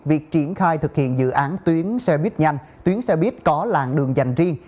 việc triển khai thực hiện dự án tuyến xe buýt nhanh tuyến xe buýt có làng đường dành riêng